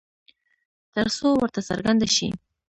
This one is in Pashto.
ترڅو ورته څرگنده شي